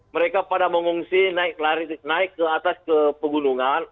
mereka pada mengungsi naik ke atas ke gunungan